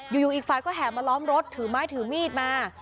อยู่อีกฝ่ายก็แห่มาล้อมรถถือไม้ถือมีดมา